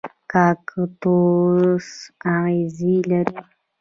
کاکتوس اغزي لري